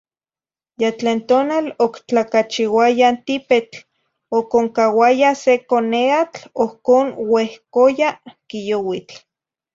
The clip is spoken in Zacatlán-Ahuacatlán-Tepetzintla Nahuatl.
Ya tlen tonal octlacachiuaya tipetl, oconcauaya se coneatl, ohcon uehcoya quiyouitl.